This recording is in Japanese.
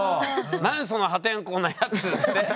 何その破天荒なやつって。